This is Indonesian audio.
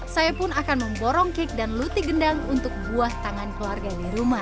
saya pun akan memborong kek dan luti gendang untuk buah tangan keluarga di rumah